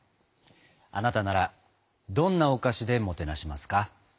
あなたならどんなお菓子でもてなしますか？